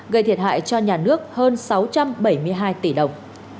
gây thiệt hại cho nhà nước hơn sáu trăm bảy mươi hai tỷ đồng